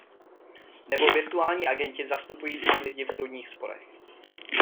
Nebo virtuální agenti zastupující lidi v soudních sporech.